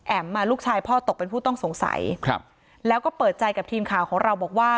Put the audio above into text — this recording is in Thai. ลูกชายพ่อตกเป็นผู้ต้องสงสัยครับแล้วก็เปิดใจกับทีมข่าวของเราบอกว่า